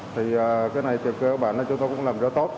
thì cái này từ cơ bản chúng tôi cũng làm rất tốt